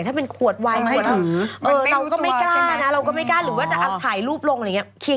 ถ้าเป็นขวดไวหมายถึงเราก็ไม่กล้านะเราก็ไม่กล้าหรือว่าจะถ่ายรูปลงอะไรอย่างนี้